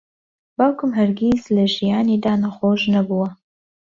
باوکم هەرگیز لە ژیانیدا نەخۆش نەبووە.